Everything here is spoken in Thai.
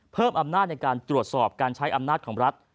เพิ่มอำนาจในการตรวจสอบการใช้อำนาจของรัฐ